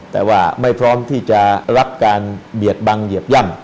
แต่ว่าไม่พร้อมที่จะรับการเบียดบังเหยียบย่ำ